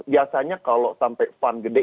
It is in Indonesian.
biasanya kalau sampai fun gede